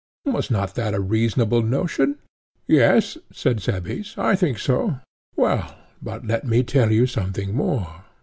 Was not that a reasonable notion? Yes, said Cebes, I think so. Well; but let me tell you something more.